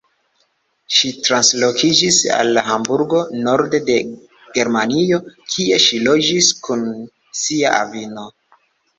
Ŝi translokiĝis al Hamburgo, norde de Germanio, kie ŝi loĝis kun sia avino.